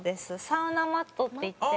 サウナマットっていって。